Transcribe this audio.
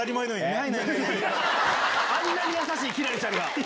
⁉あんなに優しい輝星ちゃんが。